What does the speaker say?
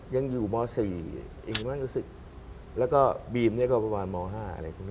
ยังอยู่หมอสี่ยังไม่รู้สึกแล้วก็บี๋มเนี้ยก็ประมาณหมอห้าอะไรแบบนี้